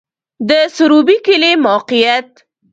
د سروبی کلی موقعیت